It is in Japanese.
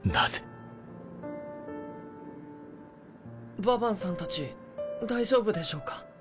ババンさんたち大丈夫でしょうか？